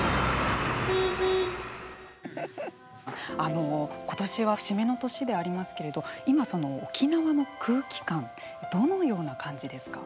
あの今年は節目の年でありますけれど今沖縄の空気感どのような感じですか？